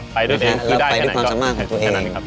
ไปด้วยความสามารถของตัวเอง